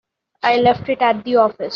I left it at the office.